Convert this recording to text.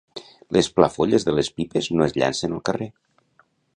Les plafolles de les pipes no és llancen al carrer